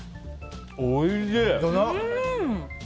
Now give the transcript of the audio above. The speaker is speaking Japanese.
おいしい！